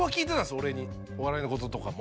俺にお笑いのこととかも。